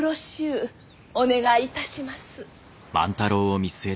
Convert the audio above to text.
お願いいたします。